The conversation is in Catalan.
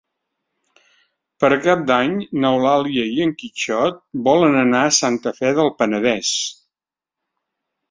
Per Cap d'Any n'Eulàlia i en Quixot volen anar a Santa Fe del Penedès.